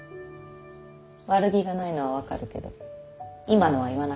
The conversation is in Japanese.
悪気がないのは分かるけど今のは言わなくていいこと。